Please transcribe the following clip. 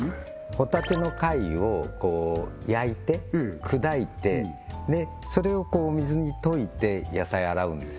ホタテの貝を焼いて砕いてそれをお水に溶いて野菜洗うんですよ